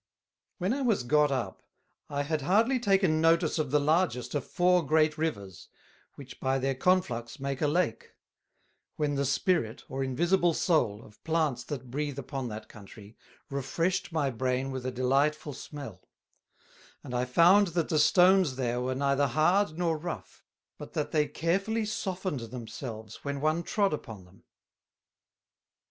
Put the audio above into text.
When I was got up, I had hardly taken notice of the largest of Four great Rivers, which by their conflux make a Lake; when the Spirit, or invisible Soul, of Plants that breath upon that Country, refreshed my Brain with a delightful smell: And I found that the Stones there were neither hard nor rough; but that they carefully softened themselves when one trode upon them.